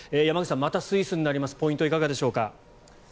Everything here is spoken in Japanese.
山口さん、またスイスになりますポイントいかがでしょうか。